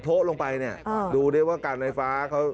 โพะลงไปเนี่ยดูได้ว่าการไฟฟ้าเขา